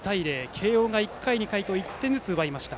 慶応が１回、２回と１点ずつ奪いました。